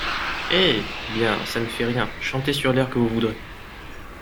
Eh ! bien, ça ne fait rien, chantez sur l’air que vous voudrez.